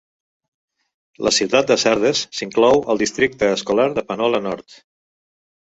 La ciutat de Sardes s'inclou al districte escolar de Panola Nord.